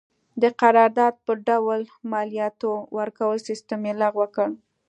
د قرارداد په ډول مالیاتو ورکولو سیستم یې لغوه کړ.